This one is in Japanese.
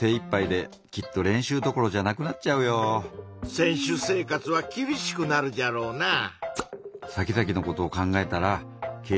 選手生活はきびしくなるじゃろうなぁ。